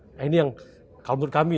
nah ini yang kalau menurut kami